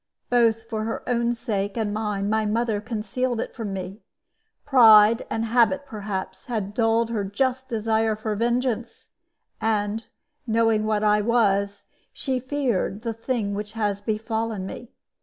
Both for her own sake and mine my mother concealed it from me. Pride and habit, perhaps, had dulled her just desire for vengeance; and, knowing what I was, she feared the thing which has befallen me.